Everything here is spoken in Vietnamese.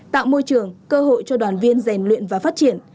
tạo môi trường cơ hội cho đoàn viên rèn luyện và phát triển